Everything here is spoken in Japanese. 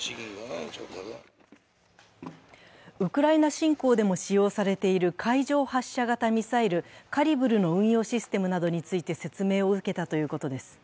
ウクライナ侵攻でも使用されている海上発射型ミサイル、カリブルの運用システムなどについて説明を受けたということです。